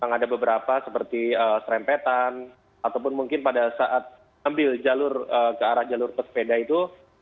ada beberapa seperti serempetan ataupun mungkin pada saat ambil jalur ke arah jalur pesepeda itu